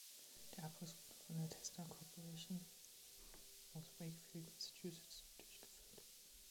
Der Abriss wurde von der Testa Corporation aus Wakefield, Massachusetts, durchgeführt.